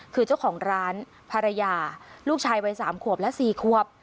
คือเจ้าของร้านภรรยาลูกชายวัย๓ขวบและ๔ควบ